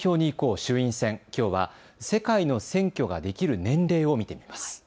衆院選、きょうは世界の選挙ができる年齢を見てみます。